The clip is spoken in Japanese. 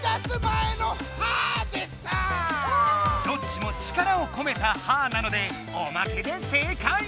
どっちも力をこめた「はあ」なのでおまけで正解！